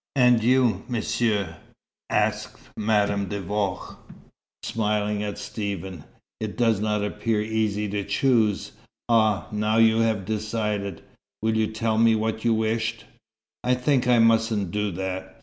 "And you, Monsieur?" asked Madame de Vaux, smiling at Stephen. "It does not appear easy to choose. Ah, now you have decided! Will you tell me what you wished?" "I think I mustn't do that.